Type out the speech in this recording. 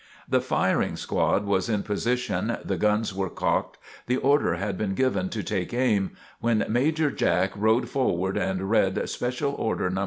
The firing squad was in position, the guns were cocked, the order had been given to "take aim," when Major Jack rode forward and read "Special Order, No.